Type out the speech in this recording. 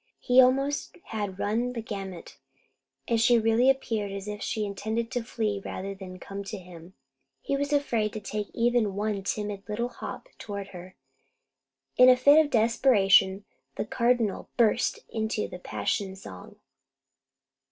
He almost had run the gamut, and she really appeared as if she intended to flee rather than to come to him. He was afraid to take even one timid little hop toward her. In a fit of desperation the Cardinal burst into the passion song.